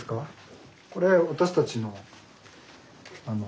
これ私たちのあの。